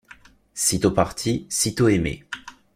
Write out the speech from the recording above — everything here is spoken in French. Sitôt parti, sitôt aimé.